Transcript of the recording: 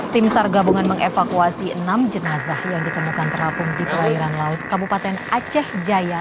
tim sar gabungan mengevakuasi enam jenazah yang ditemukan terapung di perairan laut kabupaten aceh jaya